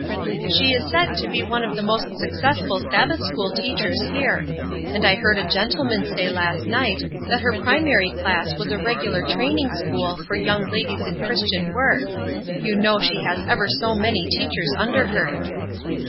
"She is said to be one of the most successful Sabbath school teachers here; and I heard a gentleman say last night that her primary class was a regular training school for young ladies in Christian work. You know she has ever so many teachers under her."